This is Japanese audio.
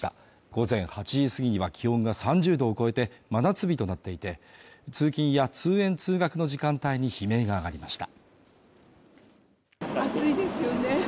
午前８時過ぎには気温が３０度を超えて真夏日となっていて、通勤や通園・通学の時間帯に悲鳴が上がりました。